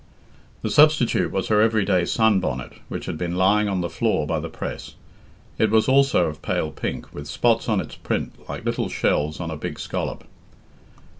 The substitute was her everyday sun bonnet, which had been lying on the floor by the press. It was also of pale pink, with spots on its print like little shells on a big scallop.